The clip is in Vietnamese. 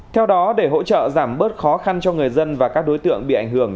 theo đó để hỗ trợ giảm bớt khó khăn cho người dân và các đối tượng bị ảnh hưởng